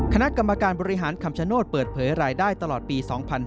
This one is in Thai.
คณะกรรมการบริหารคำชโนธเปิดเผยรายได้ตลอดปี๒๕๕๙